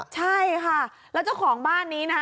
ใช่ค่ะแล้วเจ้าของบ้านนี้นะคะ